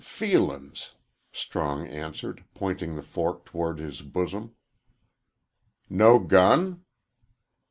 "F feelin's!" Strong answered, pointing the fork towards his bosom. "No gun?"